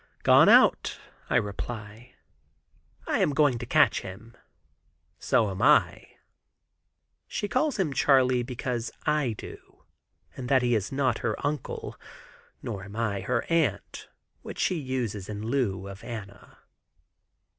"Gone out," I reply. "I am going to catch him." "So am I." She calls him Charley, because I do, and that he is not her uncle; nor am I her aunt, which she uses in lieu of Anna.